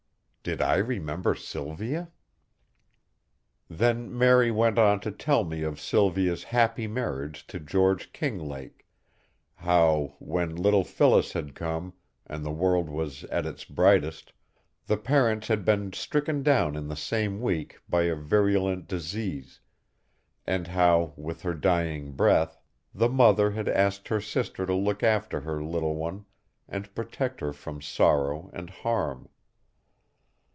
Did I remember Sylvia? Then Mary went on to tell me of Sylvia's happy marriage to George Kinglake, how, when little Phyllis had come, and the world was at its brightest, the parents had been stricken down in the same week by a virulent disease, and how, with her dying breath, the mother had asked her sister to look after her little one and protect her from sorrow and harm.